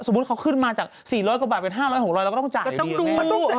เขาขึ้นมาจาก๔๐๐กว่าบาทเป็น๕๐๐๖๐๐เราก็ต้องจ่ายก็ต้องดู